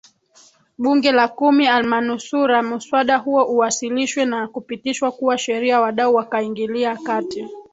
Bunge la kumi almanusura muswada huo uwasilishwe na kupitishwa kuwa sheria wadau wakaingilia kati